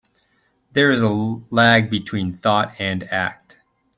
There is a lag between thought and act.